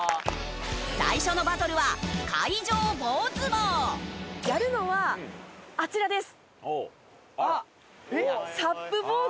最初のバトルはやるのはあちらです！